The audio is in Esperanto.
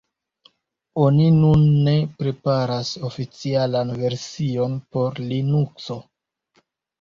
Oni nun ne preparas oficialan version por Linukso.